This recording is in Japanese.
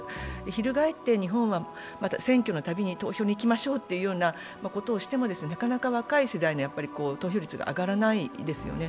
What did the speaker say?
翻って日本は選挙のたびに投票に行きましょうというのはなかなか若い世代の投票率が上がらないですよね。